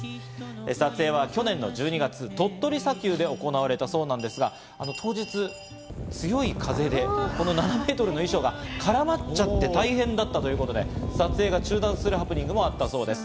撮影は去年の１２月、鳥取砂丘で行われたそうなんですが、当日強い風で７メートルの衣装が絡まっちゃって大変だったということで、撮影が中断するハプニングもあったそうです。